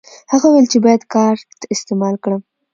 هغه وویل چې باید کارت استعمال کړم.